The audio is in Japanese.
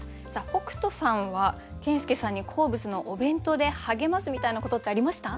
北斗さんは健介さんに好物のお弁当で励ますみたいなことってありました？